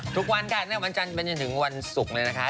ทุกวันค่ะเนี่ยวันจันทร์จันทร์จึงวันสุขเลยนะคะ